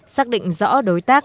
xác định rõ đối tác